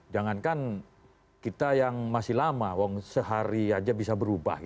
jangankan kita yang masih lama sehari aja bisa berubah